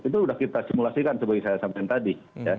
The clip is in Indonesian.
itu sudah kita simulasikan seperti saya sampaikan tadi